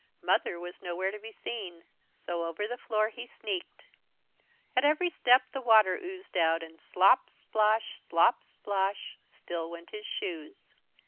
Mother was nowhere to be seen, so over the floor he sneaked. At every step the water oozed out and slop, splosh, slop, splosh, still went his shoes.